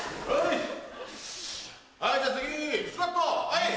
はい！